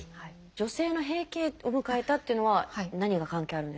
女性の「閉経を迎えた」というのは何が関係あるんですか？